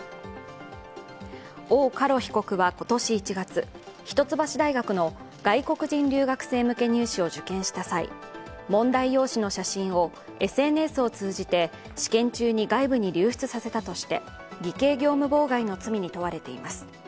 王嘉ロ被告は今年１月一橋大学の外国人留学生入試を受験した際、問題用紙の写真をＳＮＳを通じて試験中に外部に流出させたとして偽計業務妨害の罪に問われています。